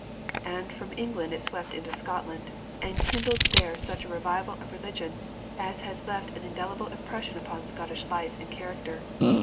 And from England it swept into Scotland, and kindled there such a revival of religion as has left an indelible impression upon Scottish life and character.